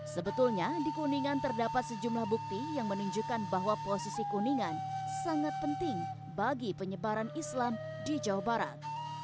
sebetulnya di kuningan terdapat sejumlah bukti yang menunjukkan bahwa posisi kuningan sangat penting bagi penyebaran islam di jawa barat